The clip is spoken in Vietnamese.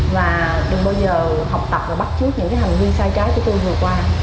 và đừng bao giờ học tập và bắt trước những hành vi sai trái của tôi vừa qua